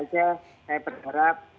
dan saya berharap